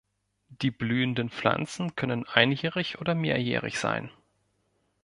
Die blühenden Pflanzen können einjährig oder mehrjährig sein.